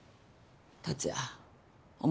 達也お前